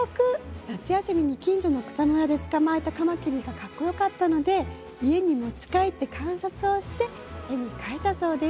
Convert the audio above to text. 夏休みに近所の草むらで捕まえたカマキリがかっこよかったので家に持ち帰って観察をして絵に描いたそうです。